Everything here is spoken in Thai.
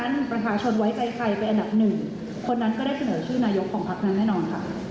เพราะฉะนั้นประชาชนไว้ใจใครเป็นอันดับหนึ่ง